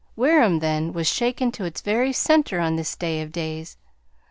Wareham, then, was shaken to its very centre on this day of days.